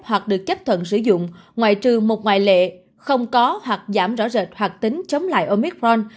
hoặc được chấp thuận sử dụng ngoại trừ một ngoại lệ không có hoặc giảm rõ rệt hoạt tính chống lại omicron